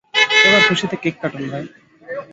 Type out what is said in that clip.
এবার খুশিতে কেক কাটুন, ভাই।